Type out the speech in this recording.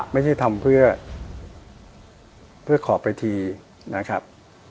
ไม่ใช่ทำเพื่อขอไปทีนะครับ